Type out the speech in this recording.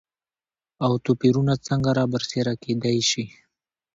او توپېرونه څنګه رابرسيره کېداي شي؟